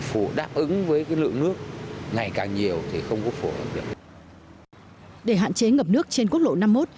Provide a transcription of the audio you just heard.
để hạn chế ngập nước trên quốc lộ năm mươi một